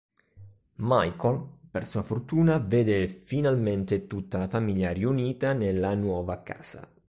Michael, per sua fortuna, vede finalmente tutta la famiglia riunita nella nuova casa.